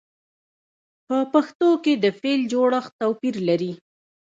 په پښتو کې د فعل جوړښت توپیر لري.